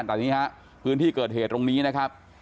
แต่นี่ฮะพื้นที่เกิดเหตุตรงนี้นะครับ